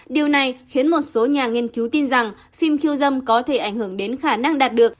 điều này khiến một số nhà nghiên cứu tin rằng phim khiêu dâm có thể ảnh hưởng đến khả năng đạt được